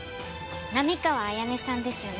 並河彩音さんですよね。